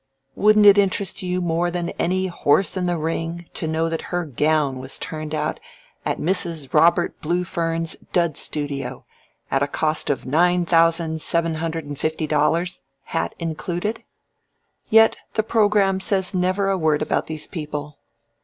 Wouldn't it interest you more than any horse in the ring to know that her gown was turned out at Mrs. Robert Bluefern's Dud Studio at a cost of nine thousand seven hundred and fifty dollars, hat included? Yet the programme says never a word about these people.